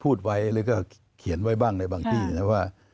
พูดไว้แล้วก็เขียนไว้บ้างในบางที่นะว่า